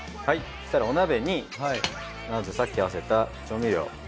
そしたらお鍋にまずさっき合わせた調味料。